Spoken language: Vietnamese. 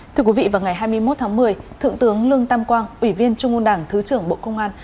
thưa quý vị vào ngày hai mươi một tháng một mươi thượng tướng lương tam quang ủy viên trung ương đảng thứ trưởng bộ công an